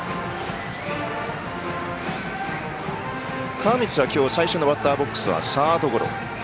川満は今日最初のバッターボックスはサードゴロ。